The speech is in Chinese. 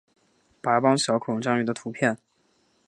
白斑小孔蟾鱼的图片